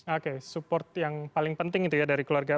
oke support yang paling penting itu ya dari keluarga